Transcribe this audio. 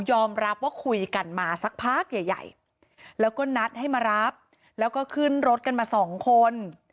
อมรับว่าคุยกันมาสักพักใหญ่ใหญ่แล้วก็นัดให้มารับแล้วก็ขึ้นรถกันมาสองคน